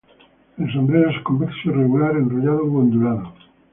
El sombrero es convexo, irregular, enrollado u ondulado.